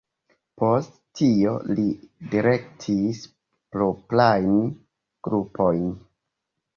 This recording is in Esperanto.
Post tio li direktis proprajn grupojn.